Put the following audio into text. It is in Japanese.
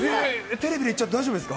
テレビで言っちゃって、大丈夫です。